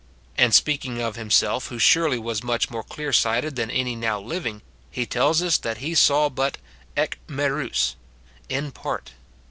And speaking of himself who surely was much more clear sighted than any now living, he tells us that he saw but h iiipov?, — "in part."